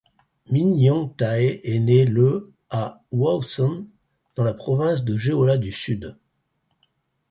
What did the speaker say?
Min Yong-tae est né le à Hwasun dans la province de Jeolla du Sud.